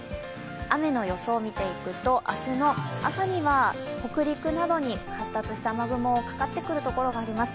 雨の予想見ていくと明日の朝には北陸などに発達した雨雲かかってくるところがあります